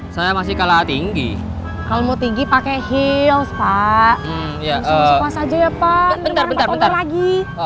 saya masih kalah tinggi kamu tinggi pakai hilang pak ya pak bentar bentar lagi